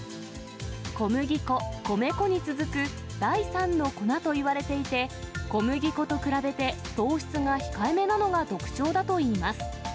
小麦粉、米粉に続く第三の粉といわれていて、小麦粉と比べて、糖質が控えめなのが特徴だといいます。